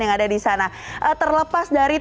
yang ada di sana terlepas dari